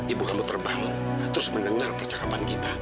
ibu kamu terbangun terus mendengar percakapan kita